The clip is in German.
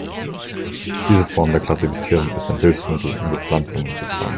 Diese Form der Klassifizierung ist ein Hilfsmittel, um Bepflanzungen zu planen.